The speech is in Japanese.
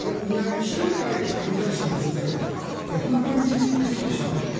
１人対犯罪者の状況が頻繁にできてしまう。